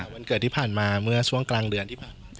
วันเกิดที่ผ่านมาเมื่อช่วงกลางเดือนที่ผ่านมา